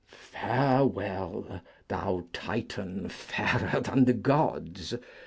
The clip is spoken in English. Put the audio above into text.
Farewell, thou Titan fairer than the gods!